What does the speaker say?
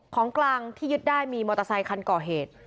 ของกลางที่ยึดได้มีมอเตอร์ไซคันก่อเหตุ